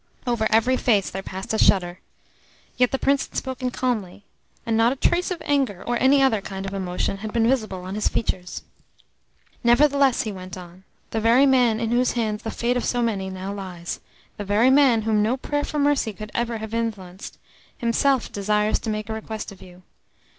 Over ever face there passed a shudder. Yet the Prince had spoken calmly, and not a trace of anger or any other kind of emotion had been visible on his features. "Nevertheless," he went on, "the very man in whose hands the fate of so many now lies, the very man whom no prayer for mercy could ever have influenced, himself desires to make a request of you.